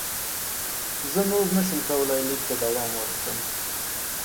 زه نور نه شم کولای لیک ته دوام ورکړم.